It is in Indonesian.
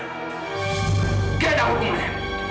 gak ada hukumnya